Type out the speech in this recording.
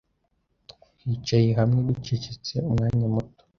Twicaye hamwe ducecetse umwanya muto.